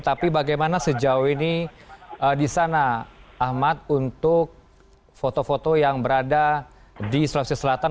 tapi bagaimana sejauh ini di sana ahmad untuk foto foto yang berada di sulawesi selatan